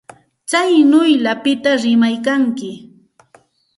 Tsaynawllapita rimaykanki.